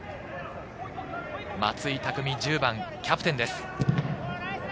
松井匠・１０番、キャプテンです。